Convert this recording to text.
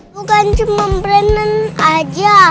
bukan cuma brandon aja